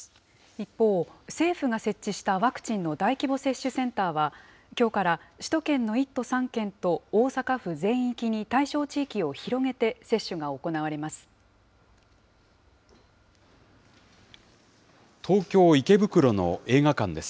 一方、政府が設置したワクチンの大規模接種センターは、きょうから首都圏の１都３県と大阪府全域に対象地域を広げて接種が行われます。